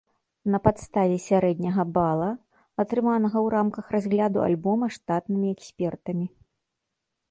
На падставе сярэдняга бала, атрыманага ў рамках разгляду альбома штатнымі экспертамі.